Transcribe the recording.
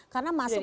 karena masuk dalam